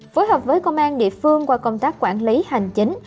phối hợp với công an địa phương qua công tác quản lý hành chính